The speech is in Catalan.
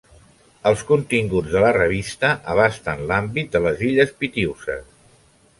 Els continguts de la revista abasten l'àmbit de les Illes Pitiüses.